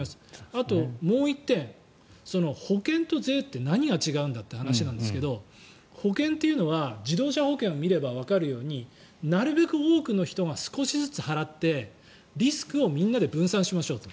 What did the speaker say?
あともう１点保険と税って何が違うんだという話なんですが保険というのは自動車保険を見ればわかるようになるべく多くの人が少しずつ払ってリスクをみんなで分散しましょうと。